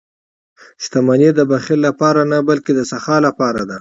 • شتمني د بخل لپاره نه، بلکې د سخا لپاره ده.